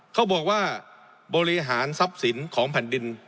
เขาบอกว่าบริหารทรัพย์สินของแผ่นดิน